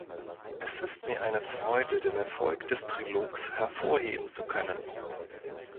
Es ist mir eine Freude, den Erfolg des Trilogs hervorheben zu können.